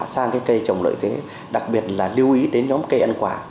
sang cây trồng lợi thế đặc biệt là lưu ý đến nhóm cây ăn quả